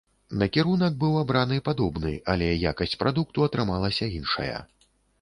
Накірунак быў абраны падобны, але якасць прадукту атрымалася іншая.